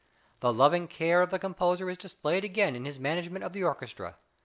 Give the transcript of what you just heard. The loving care of the composer is displayed again in his management of the orchestra.